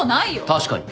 確かに。